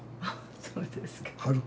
そうですか。